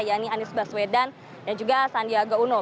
yaitu anies baswedan dan juga sandiaga uno